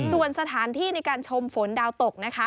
ส่วนสถานที่ในการชมฝนดาวตกนะคะ